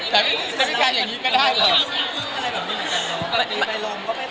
แต่ไม่มีแฟนอย่างงี้ก็ได้เหรอ